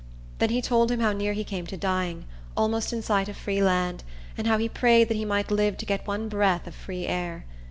Then he told him how near he came to dying, almost in sight of free land, and how he prayed that he might live to get one breath of free air.